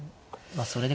ああそれで。